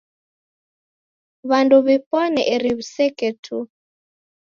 W'andu w'ipwane eri w'iseke tu.